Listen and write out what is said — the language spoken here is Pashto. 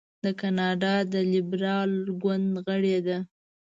د کاناډا د لیبرال ګوند غړې ده.